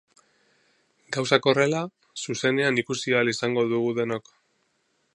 Gauzak horrela, zuzenean ikusi ahal izango dugu denok.